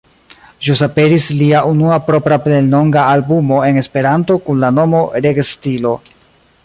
Ĵus aperis lia unua propra plenlonga albumo en Esperanto kun la nomo Regestilo.